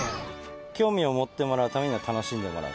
興味を持ってもらうためには楽しんでもらう。